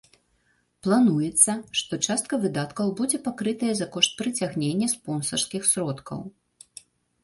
Плануецца, што частка выдаткаў будзе пакрытая за кошт прыцягнення спонсарскіх сродкаў.